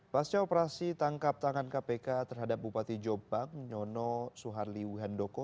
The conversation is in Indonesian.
pasca operasi tangkap tangan kpk terhadap bupati jombang nyono suharli wihandoko